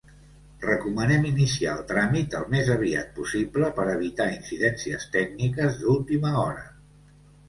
Recomanem iniciar el tràmit al més aviat possible per evitar incidències tècniques d'última hora.